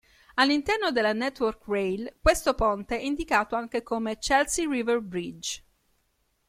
All'interno della Network Rail, questo ponte è indicato anche come "Chelsea River Bridge".